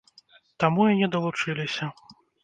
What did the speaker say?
Таму і не далучыліся.